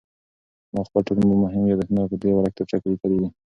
ما خپل ټول مهم یادښتونه په دې وړه کتابچه کې لیکلي دي.